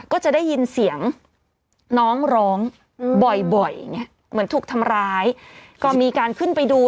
ก็จะได้ยินเสียงน้องร้องบ่อยบ่อยไงเหมือนถูกทำร้ายก็มีการขึ้นไปดู